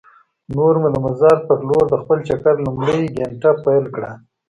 نور مو د مزار په لور د خپل چکر لومړۍ ګېنټه پیل کړه.